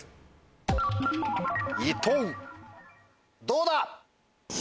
どうだ？